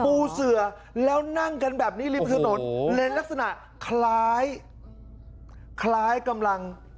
ปูเสือแล้วนั่งกันแบบนี้รีบถึงถนนโอ้โหและลักษณะคล้ายคล้ายกำลัง